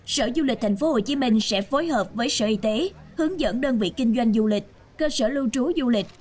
sở du lịch tp hcm sẽ phối hợp với sở y tế hướng dẫn đơn vị kinh doanh du lịch cơ sở lưu trú du lịch